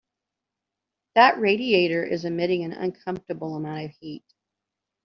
That radiator is emitting an uncomfortable amount of heat.